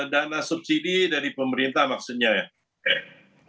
dana subsidi dari pemerintah maksudnya ya